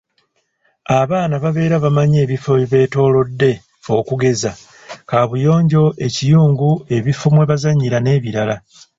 "Abaana babeera bamanyi ebifo ebibeetoolodde okugeza, kaabuyonjo, ekiyungu, ebifo mwe bazannyira n’ebirala."